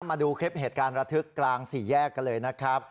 มาดูคลิปเหตุการณ์ระทึกกลางสี่แยกกันเลยนะครับ